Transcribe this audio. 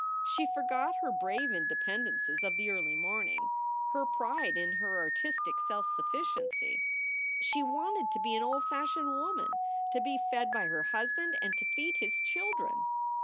She forgot her brave independences of the early morning, her pride in her artistic self sufficiency. She wanted to be an "old fashioned woman," to be fed by her husband and to feed his children.